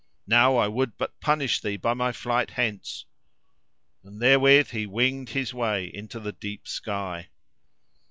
Now I would but punish thee by my flight hence." And therewith he winged his way into the deep sky.